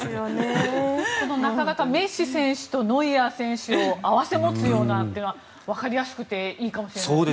なかなかメッシ選手とノイアー選手を併せ持つようなというのはわかりやすくていいかもしれないですね。